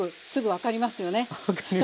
分かります。